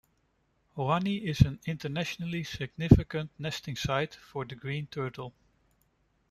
Hoani is an internationally significant nesting site for the Green turtle.